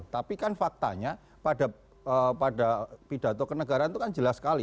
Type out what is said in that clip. tapi kan faktanya pada pidato kenegaraan itu kan jelas sekali